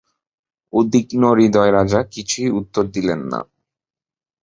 উদ্বিগ্নহৃদয় রাজা কিছুই উত্তর দিলেন না।